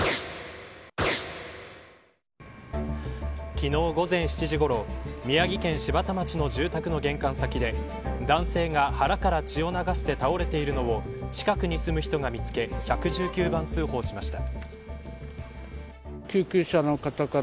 昨日、午前７時ごろ宮城県柴田町の住宅の玄関先で男性が腹から血を流して倒れているのを近くに住む人が見つけ１１９番通報しました。